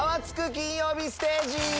金曜日』ステージ！